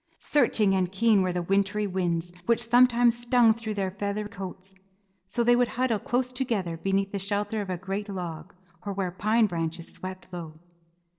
Searching and keen were the wintry winds, which sometimes stung through their feather coats, so they would huddle close together beneath the shelter of a great log, or where pine branches swept low.